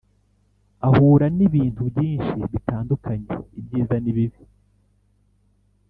ahura n’ibintu byinshi bitandukanye : ibyiza n’ibibi